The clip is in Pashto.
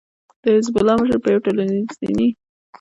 د حزب الله مشر په يوه ټلويزیوني وينا کې ويلي